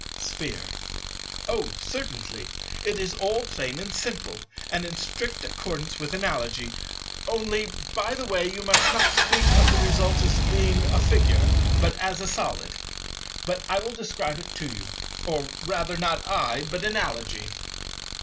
Sphere. Oh, certainly. It is all plain and simple, and in strict accordance with Analogy—only, by the way, you must not speak of the result as being a Figure, but as a Solid. But I will describe it to you. Or rather not I, but Analogy.